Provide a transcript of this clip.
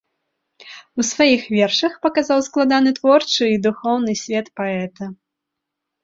У сваіх вершах паказаў складаны творчы і духоўны свет паэта.